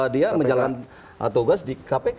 dia menjalankan tugas di kpk